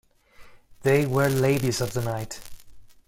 They were ladies of the night.